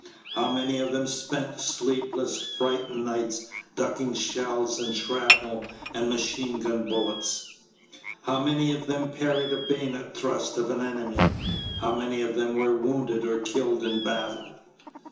How many of them spent sleepless, frightened nights, ducking shells and shrapnel and machine gun bullets? How many of them parried a bayonet thrust of an enemy? How many of them were wounded or killed in battle?